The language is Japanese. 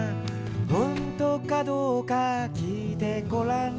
「ほんとかどうかきいてごらん」